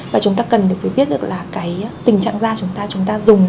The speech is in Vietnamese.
và chúng ta cần được phải biết được là cái tình trạng da chúng ta chúng ta dùng